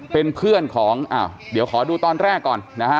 เป็นเพื่อนของอ้าวเดี๋ยวขอดูตอนแรกก่อนนะฮะ